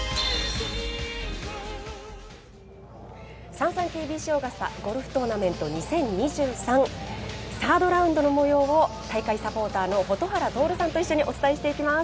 ＳａｎｓａｎＫＢＣオーガスタゴルフトーナメント２０２３サードラウンドの模様を大会サポーターの蛍原徹さんと一緒にお伝えしていきます。